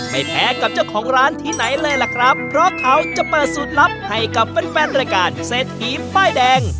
ไม่แพ้กับเจ้าของร้านที่ไหนเลยล่ะครับเพราะเขาจะเปิดสูตรลับให้กับแฟนแฟนรายการเศรษฐีป้ายแดง